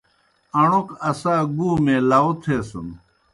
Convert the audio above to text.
اݨوکوْ اسا گُومے لاؤ تھیسَن۔